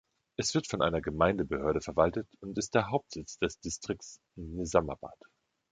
Es wird von einer Gemeindebehörde verwaltet und ist der Hauptsitz des Distrikts Nizamabad.